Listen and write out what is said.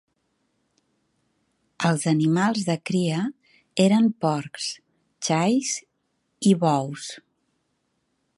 Els animals de cria eren porcs, xais i bous.